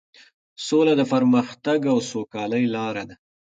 سوله د پرمختګ او سوکالۍ لاره ده.